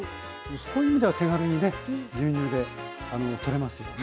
そういう意味では手軽にね牛乳で取れますよね。